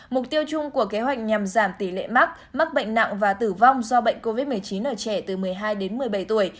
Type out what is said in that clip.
mục tiêu chung của kế hoạch nhằm giảm tỷ lệ mắc mắc bệnh nặng và tử vong do bệnh covid một mươi chín ở trẻ từ một mươi hai đến một mươi bảy tuổi